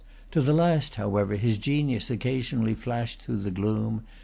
To the last, however, his genius occasionally flashed through the gloom.